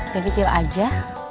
yang kecil aja